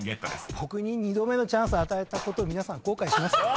僕に２度目のチャンス与えたことを皆さん後悔しますよ。